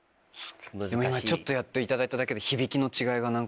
今ちょっとやっていただいただけで響きの違いが何か。